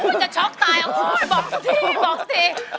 บอกสิ